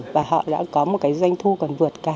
và họ đã có một cái doanh thu còn vượt cả